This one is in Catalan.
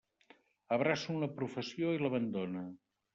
Abraça una professió, i l'abandona.